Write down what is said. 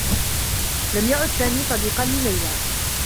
لم يعد سامي صديقا لليلى.